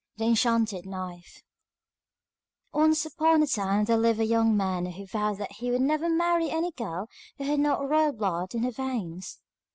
THE ENCHANTED KNIFE Once upon a time there lived a young man who vowed that he would never marry any girl who had not royal blood in her veins.